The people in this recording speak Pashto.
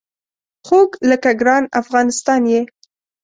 خوږ لکه ګران افغانستان یې